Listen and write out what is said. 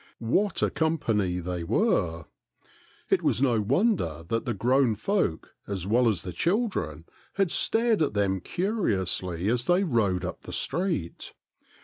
What a company they were ! It was no wonder that the grown folk as well as the children had stared at them curiously as they rode up the street.